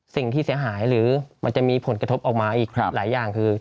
สิ่งที่เสียหายหรือมันจะมีผลกระทบออกมาอีกหลายอย่างคือ